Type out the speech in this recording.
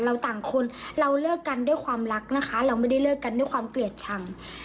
ต่างคนเราเลิกกันด้วยความรักนะคะเราไม่ได้เลิกกันด้วยความเกลียดชัง